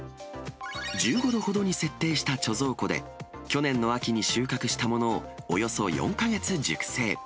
１５度ほどに設定した貯蔵庫で、去年の秋に収穫したものをおよそ４か月熟成。